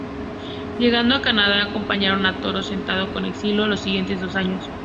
Llegando a Canadá, acompañaron a Toro Sentado en el exilio los siguientes dos años.